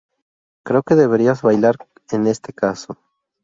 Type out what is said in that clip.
Creo que deberías bailar en este caso.